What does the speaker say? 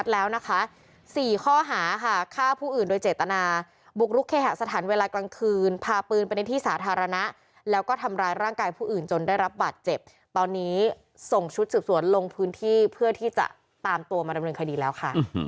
แล้วควรอะไรอย่างนี้ครับ